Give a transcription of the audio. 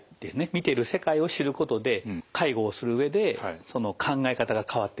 見てる世界を知ることで介護をする上でその考え方が変わってくると。